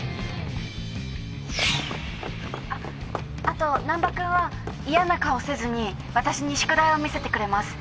あと難破君は嫌な顔せずに私に宿題を見せてくれます。